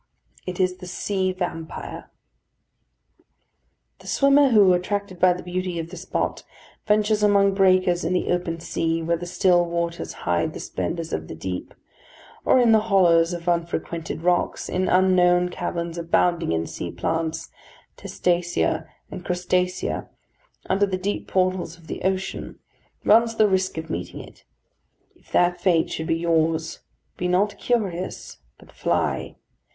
It is the sea vampire. The swimmer who, attracted by the beauty of the spot, ventures among breakers in the open sea, where the still waters hide the splendours of the deep, or in the hollows of unfrequented rocks, in unknown caverns abounding in sea plants, testacea, and crustacea, under the deep portals of the ocean, runs the risk of meeting it. If that fate should be yours, be not curious, but fly.